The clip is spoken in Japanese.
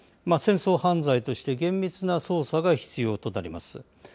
戦争犯罪として厳密な捜査が必要となります。